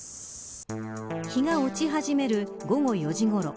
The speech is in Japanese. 日が落ち始める午後４時ごろ